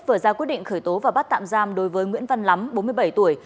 vừa ra quyết định khởi tố và bắt tạm giam đối với nguyễn văn lắm bốn mươi bảy tuổi